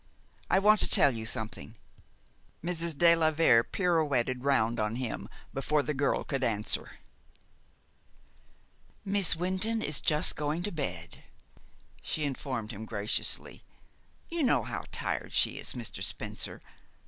"I want to tell you something." Mrs. de la Vere pirouetted round on him before the girl could answer. "Miss Wynton is just going to bed," she informed him graciously. "You know how tired she is, Mr. Spencer.